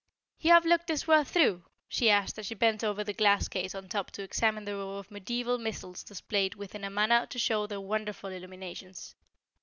"You have looked this well through?" she asked as she bent over the glass case on top to examine the row of mediaeval missals displayed within in a manner to show their wonderful illuminations.